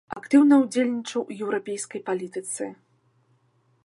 Актыўна ўдзельнічаў у еўрапейскай палітыцы.